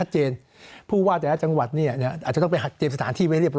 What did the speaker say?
ชัดเจน